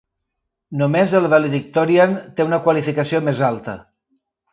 Només el "valedictorian" té una qualificació més alta.